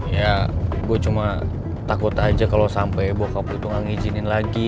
ya gue cuma takut aja kalau sampai bokap lo tuh gak ngijinin lagi